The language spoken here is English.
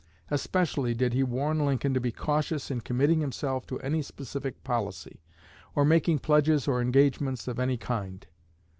Especially did he warn Lincoln to be cautious in committing himself to any specific policy, or making pledges or engagements of any kind.